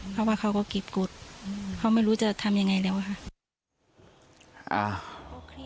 เพราะว่าเขาก็เก็บกฎเขาไม่รู้จะทำยังไงแล้วค่ะ